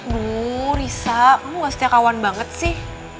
duh riza kamu gak setia kawan banget sih